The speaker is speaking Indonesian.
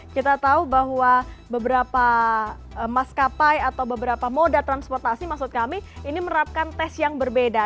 kita tahu bahwa beberapa maskapai atau beberapa moda transportasi maksud kami ini menerapkan tes yang berbeda